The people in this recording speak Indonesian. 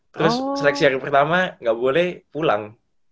terus seleksi hari pertama nggak boleh pulang